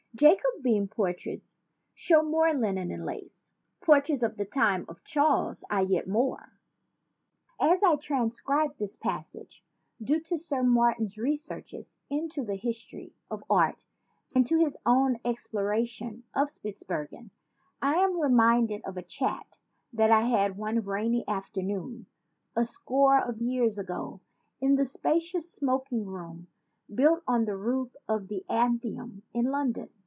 Jacobean portraits show more linen and lace. Portraits of the time of Charles I yet more. As I transcribe this passage, due to Sir Mar tin's researches into the history of art and to his own exploration of Spitzbergen, I am re minded of a chat that we had one rainy after noon a score of years ago in the spacious smoking room built on the roof of the Athenaeum in London.